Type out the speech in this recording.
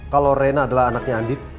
kalau rena adalah anaknya andik